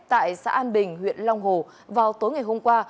tại xã an bình huyện long hồ vào tối ngày hôm qua